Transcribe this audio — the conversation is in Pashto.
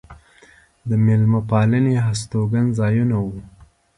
د مېلمه پالنې هستوګن ځایونه و.